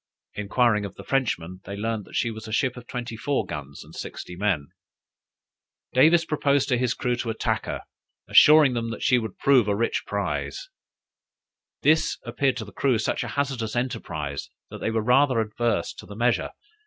Enquiring of the Frenchmen, they learned that she was a ship of twenty four guns and sixty men. Davis proposed to his crew to attack her, assuring them that she would prove a rich prize. This appeared to the crew such a hazardous enterprise, that they were rather adverse to the measure.